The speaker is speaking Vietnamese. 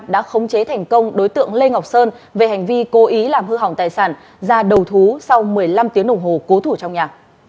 đã khống chế thành công đối tượng lê ngọc sơn về hành vi cố ý làm hư hỏng tài sản ra đầu thú sau một mươi năm tiếng đồng hồ cố thủ trong nhà